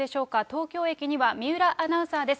東京駅には三浦アナウンサーです。